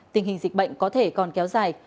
tình hình dịch bệnh có thể còn kéo dài